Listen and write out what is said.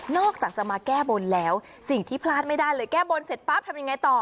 อกจากจะมาแก้บนแล้วสิ่งที่พลาดไม่ได้เลยแก้บนเสร็จปั๊บทำยังไงต่อ